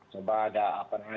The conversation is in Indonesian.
coba ada apa namanya